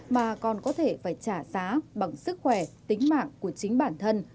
mà còn có thể phải trả giá bằng sức khỏe tính mạng của chính bản thân